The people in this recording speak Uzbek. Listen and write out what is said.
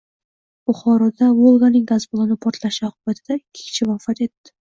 Buxoroda Volganing gaz balloni portlashi oqibatida ikki kishi vafot etdi